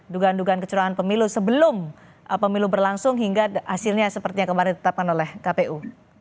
dugaan dugaan kecurangan pemilu sebelum pemilu berlangsung hingga hasilnya seperti yang kemarin ditetapkan oleh kpu